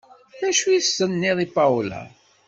D acu i s-tenniḍ i Paola?